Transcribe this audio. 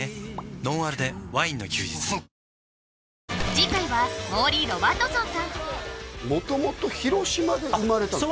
次回はモーリー・ロバートソンさん元々広島で生まれたんですか？